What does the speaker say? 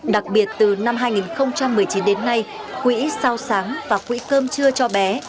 đặc biệt từ năm hai nghìn một mươi chín đến nay quỹ sao sáng và quỹ cơm chưa cho bé